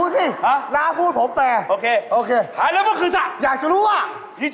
หละมักคือสามแบบนี้